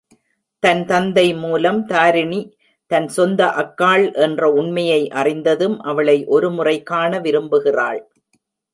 தன் தந்தை மூலம் தாரிணி தன் சொந்த அக்காள் என்ற உண்மையை அறிந்ததும், அவளை ஒருமுறை காண விரும்புகிறாள்.